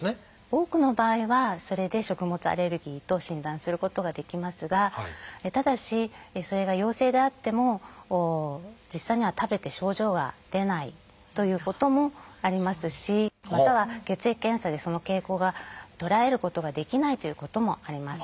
多くの場合はそれで食物アレルギーと診断することができますがただしそれが陽性であっても実際には食べて症状が出ないということもありますしまたは血液検査でその傾向が捉えることができないということもあります。